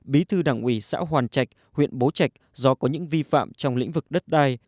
bí thư đảng ủy xã hoàn trạch huyện bố trạch do có những vi phạm trong lĩnh vực đất đai